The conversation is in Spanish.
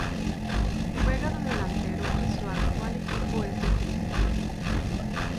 Juega de delantero y su actual equipo es el Triestina.